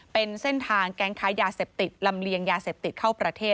เป็นเส้นทางแก๊งค้ายาเสพติดลำเลียงยาเสพติดเข้าประเทศ